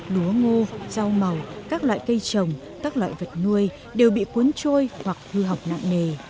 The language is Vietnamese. lúa ngô rau màu các loại cây trồng các loại vật nuôi đều bị cuốn trôi hoặc hư hỏng nặng nề